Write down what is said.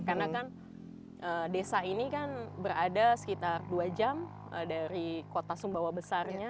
karena kan desa ini kan berada sekitar dua jam dari kota sumbawa besarnya